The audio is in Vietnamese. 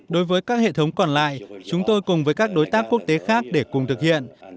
đối với các hệ thống còn lại chúng tôi cùng với các đối tác quốc tế khác để cùng thực hiện